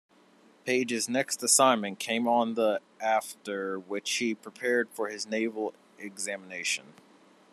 Page's next assignment came on the after which he prepared for his naval examination.